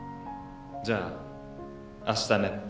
「じゃああしたね」